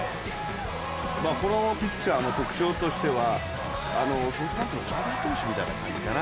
このピッチャーの特徴としては、ソフトバンクの和田投手みたいな感じかな。